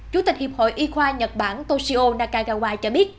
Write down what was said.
chủ tịch hiệp hội y khoa nhật bản toshio nakagawai cho biết